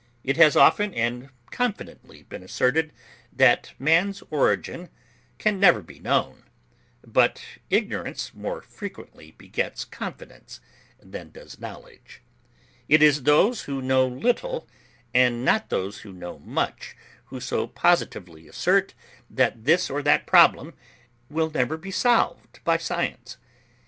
It has often and confidently been asserted, that man's origin can never be known: but ignorance more frequently begets confidence than does knowledge: it is those who know little, and not those who know much, who so positively assert that this or that problem will never be solved by science.